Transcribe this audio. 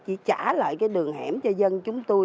chỉ trả lại cái đường hẻm cho dân chúng tôi